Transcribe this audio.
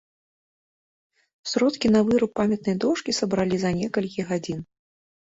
Сродкі на выраб памятнай дошкі сабралі за некалькі гадзін.